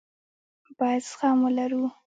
بايد زغم ولرو.